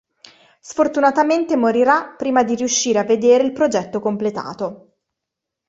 Sfortunatamente morirà prima di riuscire a vedere il progetto completato.